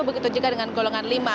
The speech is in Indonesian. begitu juga dengan golongan lima